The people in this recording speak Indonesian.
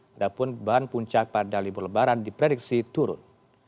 padahal bahan puncak pada libur lebaran diprediksi turun